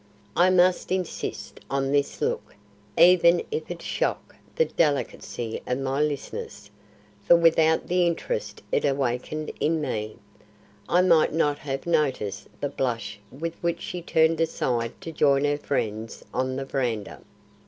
I must insist on this look, even if it shock the delicacy of my listeners, for without the interest it awakened in me, I might not have noticed the blush with which she turned aside to join her friends on the verandah.